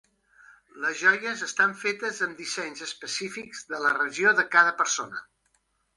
Les joies estan fetes amb dissenys específics de la regió de cada persona.